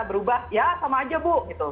berubah ya sama aja bu gitu